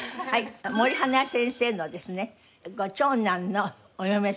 森英恵先生のですねご長男のお嫁さんのパメラさんです。